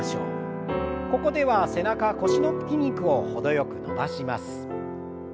ここでは背中腰の筋肉を程よく伸ばします。